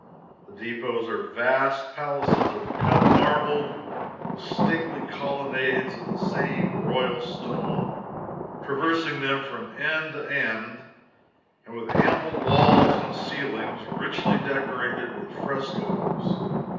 The depots are vast palaces of cut marble, with stately colonnades of the same royal stone traversing them from end to end, and with ample walls and ceilings richly decorated with frescoes.